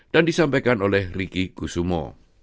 dan disampaikan oleh riki kusumo